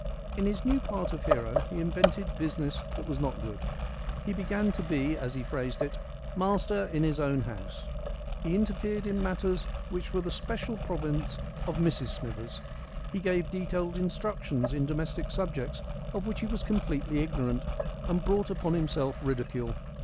In his new part of hero he invented business that was not good. He began to be, as he phrased it, "master in his own house." He interfered in matters which were the special province of Mrs Smithers. He gave detailed instructions in domestic subjects of which he was completely ignorant, and brought upon himself ridicule.